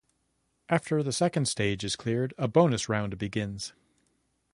After the second stage is cleared a bonus round begins.